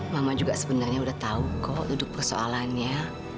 mama juga sebenarnya udah tahu kok duduk persoalannya